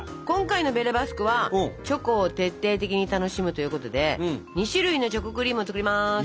今回のベレ・バスクは「チョコを徹底的に楽しむ」ということで２種類のチョコクリームを作ります。